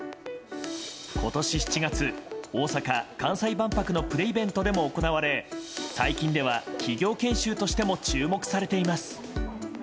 今年７月、大阪・関西万博のプレイベントでも行われ最近では企業研修としても注目されています。